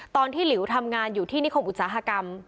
หลิวทำงานอยู่ที่นิคมอุตสาหกรรม